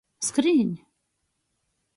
Skrīņ!